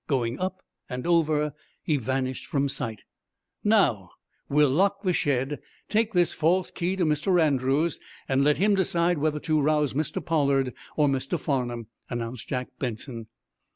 Going up and over, he vanished from sight. "Now, we'll lock the shed, take this false key to Mr. Andrews, and let him decide whether to rouse Mr. Pollard or Mr. Farnum," announced Jack Benson.